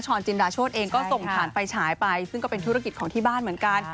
จินดาโชธเองก็ส่งฐานไฟฉายไปซึ่งก็เป็นธุรกิจของที่บ้านเหมือนกัน